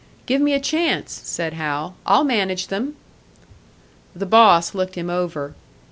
"Give me a chance," said Hal. "I'll manage them." The boss looked him over.